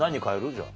じゃあ。